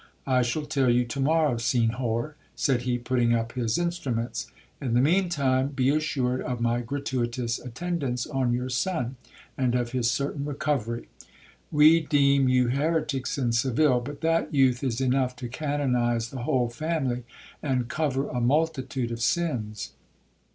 'I shall tell you to morrow, Senhor,' said he, putting up his instruments,—'in the mean time be assured of my gratuitous attendance on your son, and of his certain recovery. We deem you heretics in Seville, but that youth is enough to canonize the whole family, and cover a multitude of sins.'